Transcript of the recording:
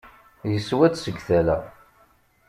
Yeswa-d seg tala.